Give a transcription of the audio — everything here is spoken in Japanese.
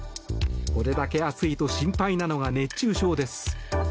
これだけ暑いと心配なのが熱中症です。